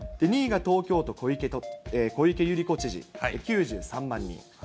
２位が東京都、小池百合子知事、９３万人。